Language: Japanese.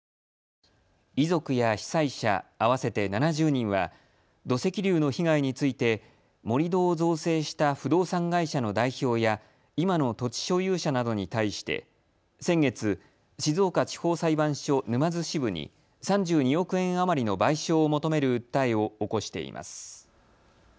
遺族や被災者合わせて７０人は、土石流の被害について盛り土を造成した不動産会社の代表や今の土地所有者などに対して先月、静岡地方裁判所沼津支部に３２億円余りの賠償を求める訴えを起こしています。